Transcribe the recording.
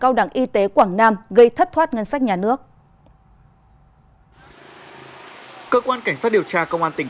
cao đẳng y tế quảng nam gây thất thoát ngân sách nhà nước cơ quan cảnh sát điều tra công an tỉnh